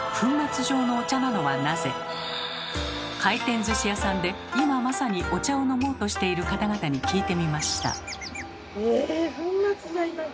回転寿司屋さんで今まさにお茶を飲もうとしている方々に聞いてみました。